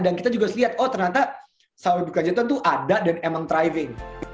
dan kita juga harus lihat oh ternyata sawit berkelanjutan itu ada dan emang thriving